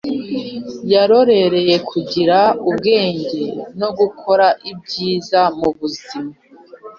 Yarorereye kugira ubwenge no gukor ibyiza mu buzima